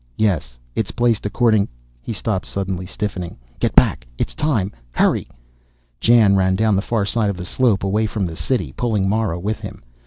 "Yes, it's placed according " He stopped, suddenly stiffening. "Get back! It's time! Hurry!" Jan ran, down the far side of the slope, away from the City, pulling Mara with him.